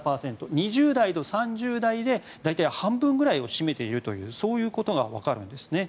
２０代と３０代で大体半分ぐらいを占めているというそういうことがわかるんですね。